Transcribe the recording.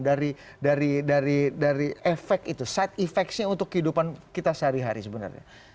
dari efek itu side effect nya untuk kehidupan kita sehari hari sebenarnya